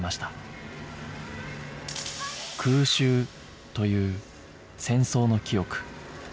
空襲という戦争の記憶